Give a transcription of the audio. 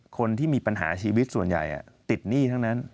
คนที่มีปัญหาชีวิตส่วนใหญ่ติดหนี้ทั้งนั้น